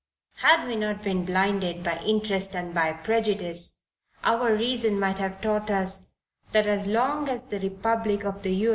Had we not been blinded by interest and by prejudice, our reason might have taught us that as long as the republic of the U. S.